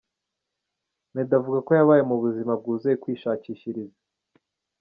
Meddy avuga ko yabaye mu buzima bwuzuye kwishakishiriza.